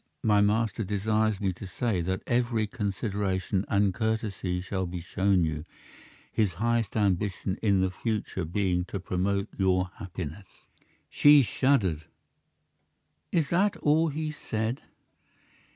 My master desires me to say that every consideration and courtesy shall be shown you, his highest ambition in the future being to promote your happiness." She shuddered. "Is that all he said?"